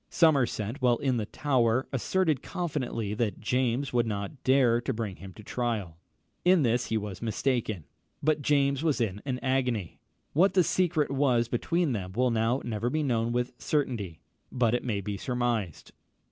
Somerset, while in the Tower, asserted confidently that James would not dare to bring him to trial. In this he was mistaken; but James was in an agony. What the secret was between them will now never be known with certainty; but it may be surmised.